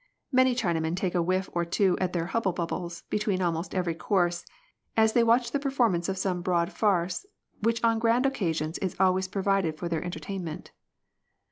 Many Chinamen take a whiff or two at their hubble bubbles between almost every course, as they watch the performance of some broad farce which on grand occasions is always provided for their entertainment.